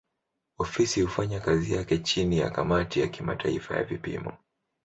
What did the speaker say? Ofisi hufanya kazi yake chini ya kamati ya kimataifa ya vipimo.